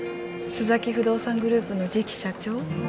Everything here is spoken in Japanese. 須崎不動産グループの次期社長？